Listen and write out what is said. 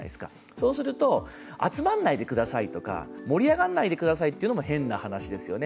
そうすると、集まらないでくださいとか、盛り上がらないでくださいというのも変な話ですよね。